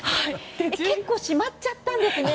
洋服しまっちゃったんですけど。